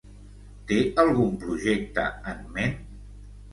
Té algun projecte en ment?